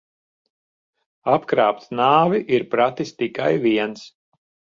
Apkrāpt nāvi ir pratis tikai viens.